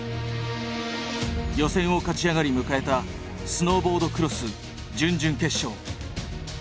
予選を勝ち上がり迎えたスノーボードクロス準々決勝。